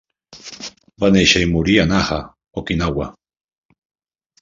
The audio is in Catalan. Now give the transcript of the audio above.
Va néixer i morir a Naha, Okinawa.